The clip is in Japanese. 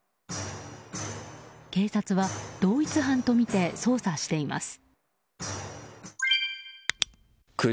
警察は同一犯とみて捜査しています。